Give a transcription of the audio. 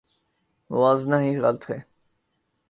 موازنہ ہی غلط ہے۔